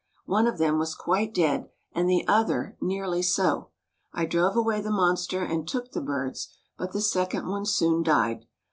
One of them was quite dead, and the other nearly so. I drove away the monster, and took the birds, but the second one soon died.